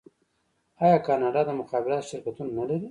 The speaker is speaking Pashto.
آیا کاناډا د مخابراتو شرکتونه نلري؟